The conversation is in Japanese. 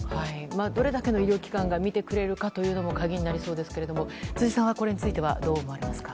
どれだけの医療機関が診てくれるかというのも鍵になりそうですが辻さんは、これについてはどう思われますか？